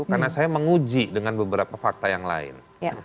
karena saya menguji dengan beberapa fakta yang lain